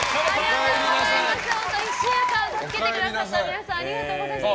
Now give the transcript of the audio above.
１週間助けてくださった皆さんありがとうございました。